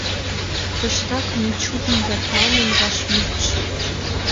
Тыштак — Мичурин-Ятманын вашмутшо.